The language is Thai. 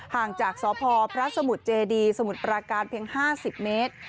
ห่างจากสพพระสมุทรเจดีสมุทรปราการเพียง๕๐เมตร